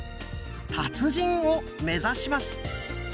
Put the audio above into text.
達人を目指します。